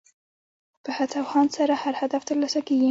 په هڅه او هاند سره هر هدف ترلاسه کېږي.